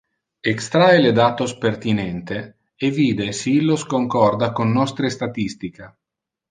Extrahe le datos pertinente e vide si illos concorda con nostre statistica.